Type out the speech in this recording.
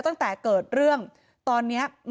เหตุการณ์เกิดขึ้นแถวคลองแปดลำลูกกา